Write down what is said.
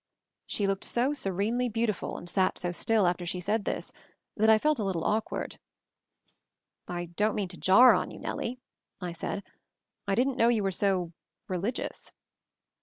She looked so serenely beautiful, and sat so still after she said this, that I felt a little awkward. "I don't mean to jar on you, Nellie," I said. "I didn't know you were so— religi ous."